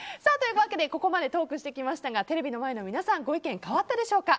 ここまでトークしてきましたがテレビの前の皆さんご意見変わったでしょうか。